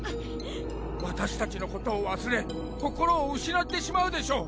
私たちのことを忘れ心を失ってしまうでしょう。